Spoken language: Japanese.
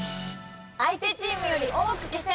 相手チームより多く消せ。